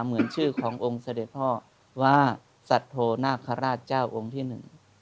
เหมือนชื่อขององค์เสด็จพ่อว่าสัตโธนาคาราชเจ้าองค์ที่หนึ่ง